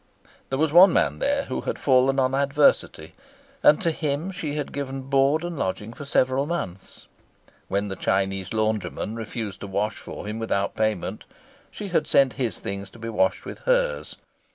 There was one man there who had fallen on adversity, and to him she had given board and lodging for several months. When the Chinese laundryman refused to wash for him without payment she had sent his things to be washed with hers.